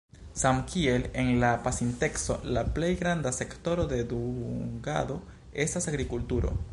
Samkiel en la pasinteco, la plej granda sektoro de dungado estas agrikulturo.